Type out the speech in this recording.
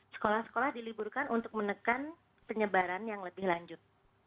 sekolah sekolah diliburkan untuk menekan penyebaran yang lebih lanjut